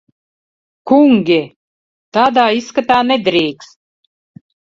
Kungi! Tādā izskatā nedrīkst.